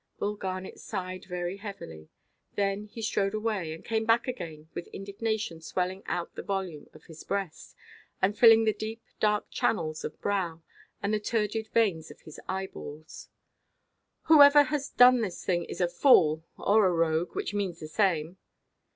Bull Garnet sighed very heavily; then he strode away, and came back again, with indignation swelling out the volume of his breast, and filling the deep dark channels of brow, and the turgid veins of his eyeballs. "Whoever has done this thing is a fool; or a rogue—which means the same."